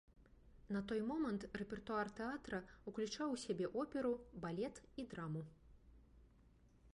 На той момант рэпертуар тэатра уключаў у сябе оперу, балет і драму.